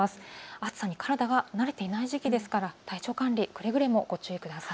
暑さに体が慣れていない時期ですから体調管理くれぐれもご注意ください。